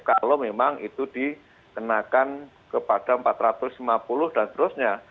kalau memang itu dikenakan kepada empat ratus lima puluh dan seterusnya